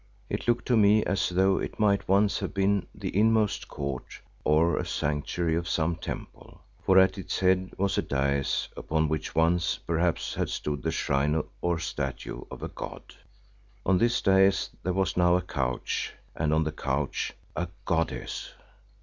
It looked to me as though it might once have been the inmost court or a sanctuary of some temple, for at its head was a dais upon which once perhaps had stood the shrine or statue of a god. On this dais there was now a couch and on the couch—a goddess!